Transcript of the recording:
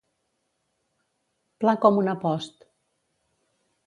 Pla com una post.